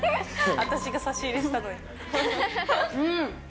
私が差し入れしたのに。